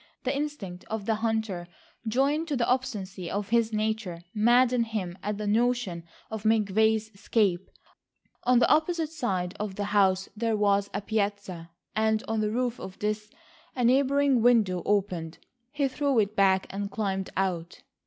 The instinct of the hunter joined to the obstinacy of his nature maddened him at the notion of McVay's escape. On the opposite side of the house there was a piazza and on the roof of this a neighbouring window opened. He threw it back and climbed out.